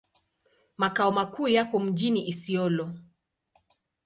Makao makuu yako mjini Isiolo.